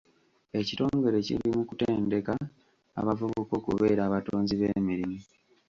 Ekitongole kiri mu kutendeka abavubuka okubeera abatonzi b'emirimu .